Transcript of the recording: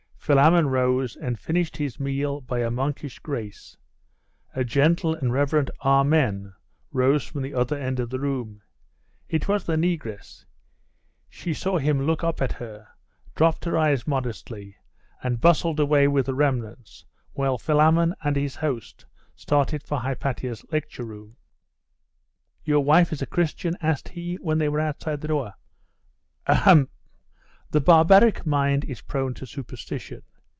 Philammon rose, and finished his meal by a monkish grace. A gentle and reverent 'Amen' rose from the other end of the room. It was the negress. She saw him look up at her, dropped her eyes modestly, and bustled away with the remnants, while Philammon and his host started for Hypatia's lecture room. 'Your wife is a Christian?' asked he when they were outside the door. 'Ahem ! The barbaric mind is prone to superstition.